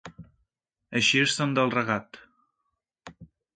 Eixir-se'n del regat.